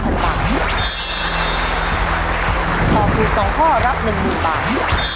ตอบถูก๒ข้อรับ๑หมื่นบาท